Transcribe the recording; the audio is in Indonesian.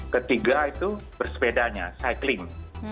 ketiga itu bersepedanya cycling